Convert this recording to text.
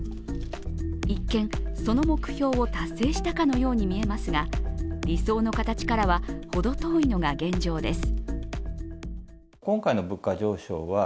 一見、その目標を達成したかのようにみえますが理想の形からはほど遠いのが現状です。